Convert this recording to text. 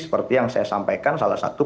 seperti yang saya sampaikan salah satu